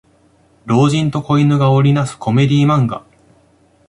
老人と子犬が織りなすコメディ漫画